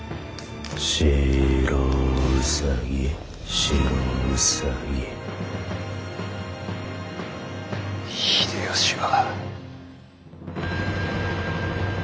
白兎白兎秀吉は。